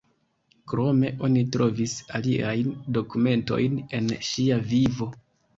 Krome oni trovis aliajn dokumentojn el ŝia vivo.